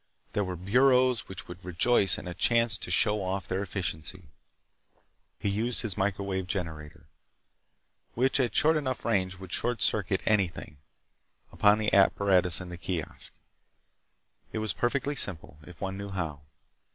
There were bureaus which would rejoice in a chance to show off their efficiency. He used his microwave generator—which at short enough range would short circuit anything—upon the apparatus in the kiosk. It was perfectly simple, if one knew how.